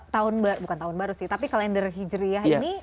tahun bukan tahun baru sih tapi kalender hijriah ini